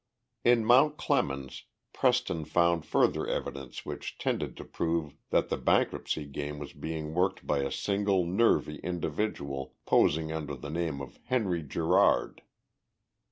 In Mount Clemens Preston found further evidence which tended to prove that the bankruptcy game was being worked by a single nervy individual, posing under the name of "Henry Gerard."